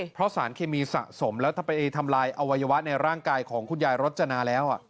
เพราะสารเคมีสะสมแล้วถ้าไปทำลายอวัยวะในร่างกายของคุณยายรจนาแล้ว